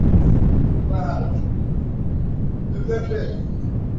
Wanajeshi tisa walioshtakiwa ni pamoja na lutein kanali na mameja watatu.